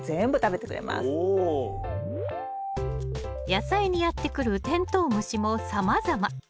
野菜にやって来るテントウムシもさまざま。